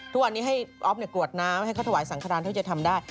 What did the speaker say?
ทุกวันนี้ให้อ๊อฟกรวดน้ำให้เขาถวายสังครานเท่าจะทำได้